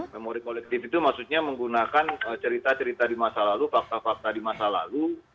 memori kolektif itu maksudnya menggunakan cerita cerita di masa lalu fakta fakta di masa lalu